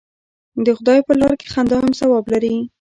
د خدای په لاره کې خندا هم ثواب لري.